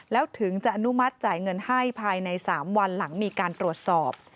แล้วถึงจะอนุมัติจ่ายเงินให้ภายใน๓วันหลังมีการตรวจสอบ